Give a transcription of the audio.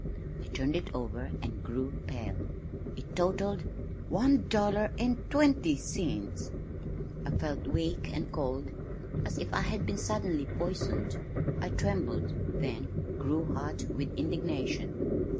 I turned it over and grew pale. It totalled one dollar and twenty cents! I felt weak and cold as if I had been suddenly poisoned. I trembled, then grew hot with indignation.